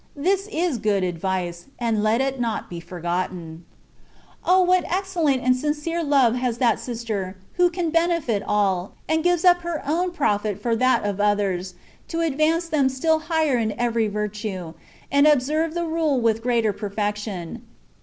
This is good advice, and let it not be forgotten. O ! what excellent and sincere love has that sister, who can benefit all, and gives up her own profit for that of others, to advance them still higher in every virtue, and observe the rule with greater perfection.